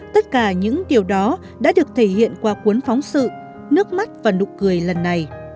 tất cả những điều đó đã được thể hiện qua cuốn phóng sự nước mắt và nụ cười lần này